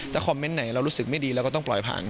ถ้าคอมเมนต์ไหนเรารู้สึกไม่ดีเราก็ต้องปล่อยผ่าน